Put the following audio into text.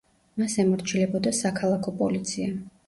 მას ემორჩილებოდა საქალაქო პოლიცია.